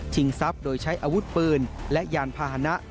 ทรัพย์โดยใช้อาวุธปืนและยานพาหนะ